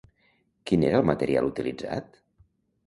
Quin era el material utilitzat?